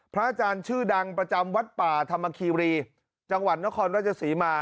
พระอาจารย์ชื่อดังประจำวัดป่าธรรมคีรีจังหวัดนครราชศรีมา